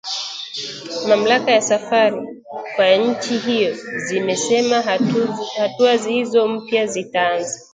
mamlaka ya safari kwa nchi hiyo zimesema hatua hizo mpya zitaanza